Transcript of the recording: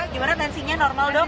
gimana tensinya normal dok